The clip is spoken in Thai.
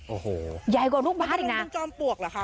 โอ้โหมันก็มีจอมปลวกเหรอคะ